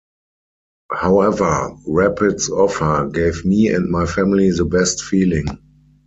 However, Rapid's offer gave me and my family the best feeling.